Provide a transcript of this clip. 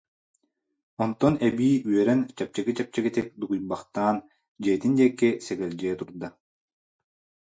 Онтон эбии үөрэн чэпчэки-чэпчэкитик дугуйбахтаан, дьиэтин диэки сэгэлдьийэ турда